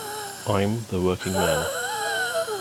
I'm with the working man.